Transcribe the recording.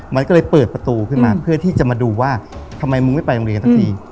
มันก็เลยเปิดประตูขึ้นมาเพื่อที่จะมาดูว่าทำไมมึงไม่ไปโรงเรียนสักที